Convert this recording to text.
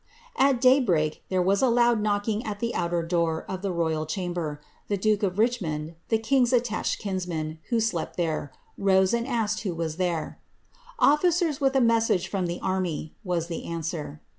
At day break there was a loud knocking at the outer door of the royal chamber. The duke of Richmond, the king^s attached kinsman, who slept there, rose, and asked who was there. ^ Officers with a message from the army," was the answer.